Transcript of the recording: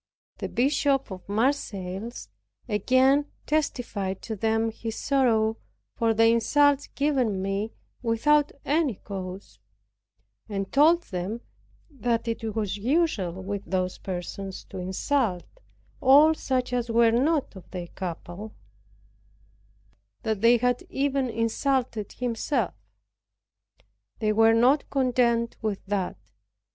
The Bishop of Marseilles again testified to them his sorrow for the insults given me without any cause; and told them, that it was usual with those persons to insult all such as were not of their cabal, that they had even insulted himself. They were not content with that.